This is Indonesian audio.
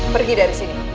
pergi dari sini